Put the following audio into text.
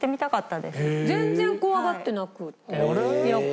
全然怖がってなくて。